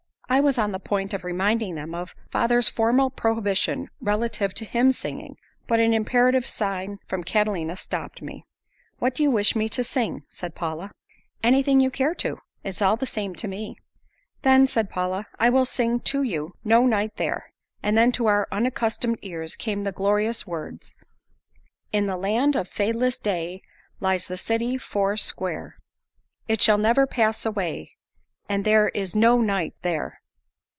I was on the point of reminding them of father's formal prohibition relative to hymn singing, but an imperative sign from Catalina stopped me. "What do you wish me to sing?" said Paula. "Anything you care to. It's all the same to me." "Then," said Paula, "I will sing to you, 'No Night There.'" And then to our unaccustomed ears came the glorious words: In the land of fadeless day, Lies the city four sqare, It shall never pass away, And there is no night there.